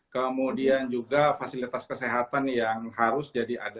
kemudian juga fasilitas kesehatan yang harus jadi ada